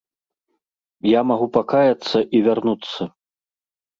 Я магу пакаяцца і вярнуцца.